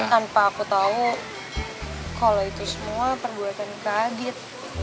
tanpa aku tahu kalau itu semua perbuatan kak adit